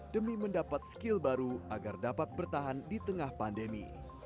demi mendapat skill baru agar dapat bertahan di tengah pandemi